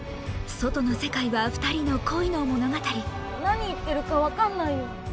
外の世界は２人の恋の物語何言ってるか分かんないよ。